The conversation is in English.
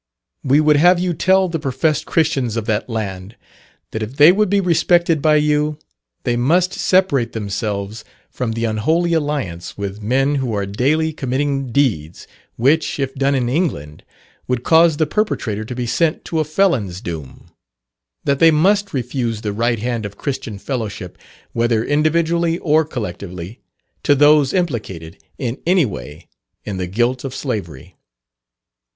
We would have you tell the professed Christians of that land, that if they would be respected by you, they must separate themselves from the unholy alliance with men who are daily committing deeds which, if done in England, would cause the perpetrator to be sent to a felon's doom; that they must refuse the right hand of Christian fellowship, whether individually or collectively, to those implicated, in any way, in the guilt of slavery.